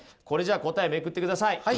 これじゃあ答えめくってください。